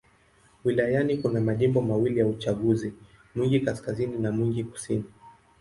Wilayani kuna majimbo mawili ya uchaguzi: Mwingi Kaskazini na Mwingi Kusini.